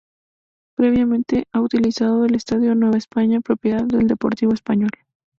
Previamente, ha utilizado el Estadio Nueva España, propiedad del Deportivo Español.